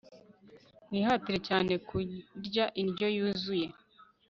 Mwihatire cyane kurya inryo yuzuye